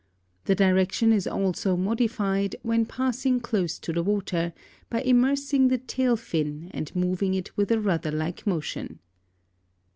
The direction is also modified, when passing close to the water, by immersing the tail fin and moving it with a rudder like motion.